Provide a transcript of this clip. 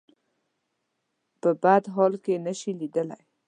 په بد حال دې نه شي ليدلی.